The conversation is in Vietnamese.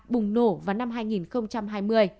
bùng nổ vào năm hai nghìn hai mươi